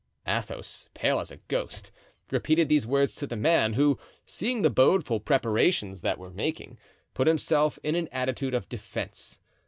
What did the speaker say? '" Athos, pale as a ghost, repeated these words to the man, who, seeing the bodeful preparations that were making, put himself in an attitude of defense.